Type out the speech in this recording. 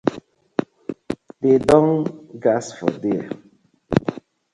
De don don gas for dier.